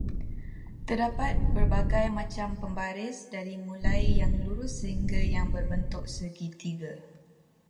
Terdapat berbagai macam pembaris, dari mulai yang lurus sehingga yang berbentuk segitiga.